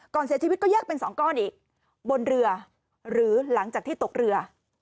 เสียชีวิตก็แยกเป็นสองก้อนอีกบนเรือหรือหลังจากที่ตกเรือ